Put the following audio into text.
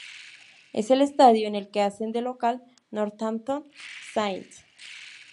Es el estadio en el que hacen de local Northampton Saints.